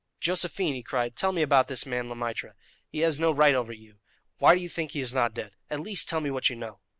"Josephine," he cried, "tell me about this man, Le Maître! He has no right over you. Why do you think he is not dead? At least, tell me what you know."